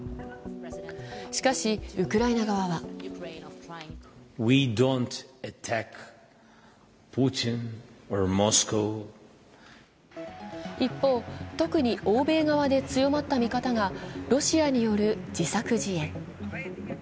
しかし、ウクライナ側は一方、特に欧米側で強まった見方がロシアによる自作自演。